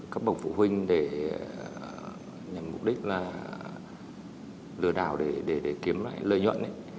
các bộ phụ huynh để nhằm mục đích lừa đảo để kiếm lại lợi nhuận